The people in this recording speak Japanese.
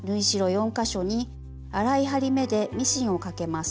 ４か所に粗い針目でミシンをかけます。